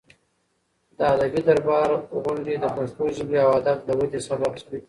د ادبي دربار غونډې د پښتو ژبې او ادب د ودې سبب شوې.